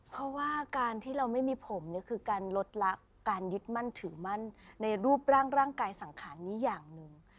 เพราะว่าการที่เราไม่มีผมเนี่ยคือการลดละการยึดมั่นถือมั่นในรูปร่างร่างกายสังขารนี้อย่างหนึ่ง